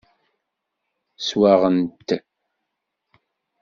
Swaɣen-t.